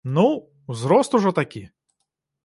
Ну, узрост ужо такі!